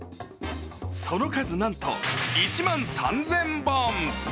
その数なんと１万３０００本。